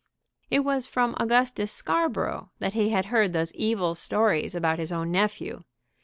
It was from Augustus Scarborough that he had heard those evil stories about his own nephew.